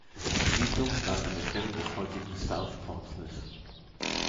Die Siedlung lag an der Stelle des heutigen South Portsmouth.